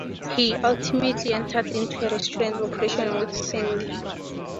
He ultimately entered into a restaurant operation with Sandy.